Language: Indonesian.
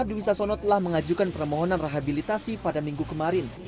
dwi sasono telah mengajukan permohonan rehabilitasi pada minggu kemarin